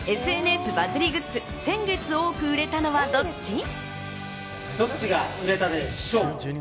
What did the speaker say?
ＳＮＳバズりグッズ、先月多く売れたれのはどっち？